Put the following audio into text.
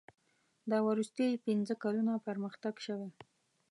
دا وروستي پنځه کلونه پرمختګ شوی.